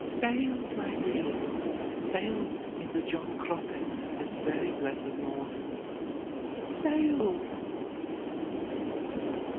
"Sailed, my dear! sailed in the John Cropper this very blessed morning." "Sailed!"